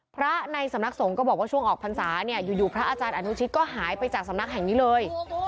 พระในสำนักสงฆ์ก็บอกว่าช่วงออกพรรษาเนี่ยอยู่พระอาจารย์อนุชิตก็หายไปจากสำนักแห่งนี้เลย